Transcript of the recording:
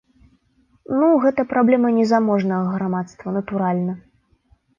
Ну, гэта праблема не заможнага грамадства, натуральна.